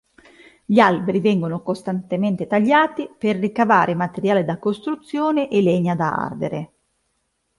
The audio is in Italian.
Gli alberi vengono costantemente tagliati per ricavare materiale da costruzione e legna da ardere.